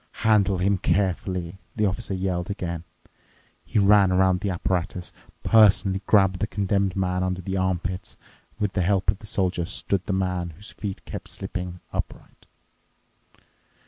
"Handle him carefully," the Officer yelled again. He ran around the apparatus, personally grabbed the Condemned Man under the armpits and, with the help of the Soldier, stood the man, whose feet kept slipping, upright.